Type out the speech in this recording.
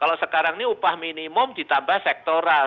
kalau sekarang ini upah minimum ditambah sektoral